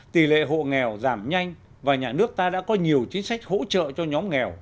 tỷ lệ hộ nghèo giảm nhanh và nhà nước ta đã có nhiều chính sách hỗ trợ cho nhóm nghèo